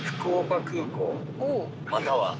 または。